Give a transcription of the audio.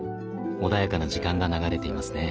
穏やかな時間が流れていますね。